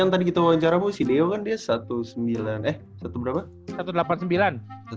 tadi kita wawancara mu si deo kan dia satu sembilan eh satu berapa